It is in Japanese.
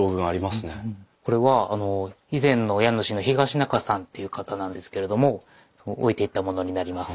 これは以前の家主の東仲さんっていう方なんですけれども置いていったものになります。